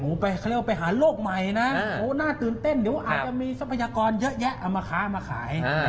เขาเรียกว่าไปหาโลกใหม่นะน่าตื่นเต้นเดี๋ยวอาจจะมีทรัพยากรเยอะแยะเอามาค้ามาขาย